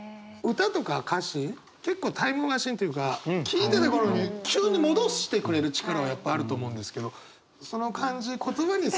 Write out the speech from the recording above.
歌とか歌詞結構タイムマシーンというか聴いてた頃に急に戻してくれる力はやっぱあると思うんですけど。